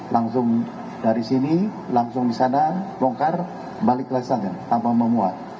langsung dari sini langsung di sana bongkar balik lagi tanpa memuat